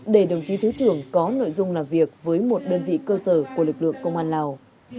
để đồng chí thứ trưởng có nội dung làm việc với một đơn vị cơ sở của lực lượng công an lào